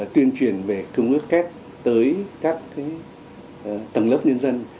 tuyên truyền về công ước kép tới các tầng lớp nhân dân